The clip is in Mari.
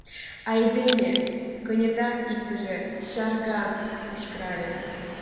— Айдеме! — кенета иктыже чарган кычкырале.